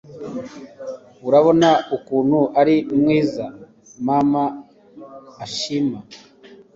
urabona ukuntu ari mwiza! mama azishima